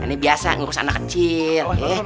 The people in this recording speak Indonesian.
ini biasa ngurus anak kecil